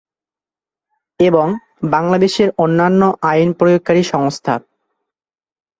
এবং বাংলাদেশের অন্যান্য আইন প্রয়োগকারী সংস্থা।